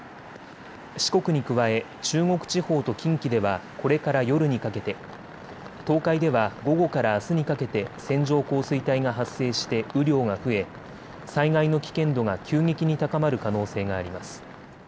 四国に加え中国地方と近畿ではこれから夜にかけて、東海では午後からあすにかけて線状降水帯が発生して雨量が増え災害の危険度が急激に高まる可能性があります。